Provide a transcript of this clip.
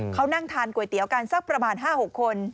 เขานั่งทานก๋วยเตี๋ยวกันสักประมาณ๕๖คน